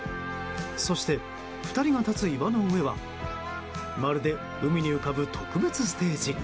そして、２人が立つ岩の上はまるで海に浮かぶ特別ステージ。